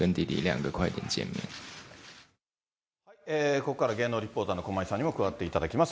ここからは、芸能リポーターの駒井さんにも加わっていただきます。